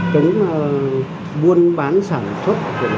chống buôn bán sản xuất